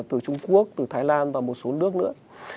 từ trung quốc từ thái lan và một số nước nữa